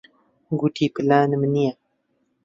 گوتی پلانم نییە.